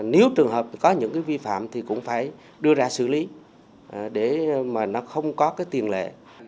nếu trường hợp có những cái vi phạm thì cũng phải đưa ra xử lý để mà nó không có cái tiền lệ